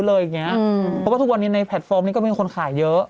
เพราะว่าทุกวันนี้ในแพลตฟอร์มนี้ก็มีคนขายเยอะ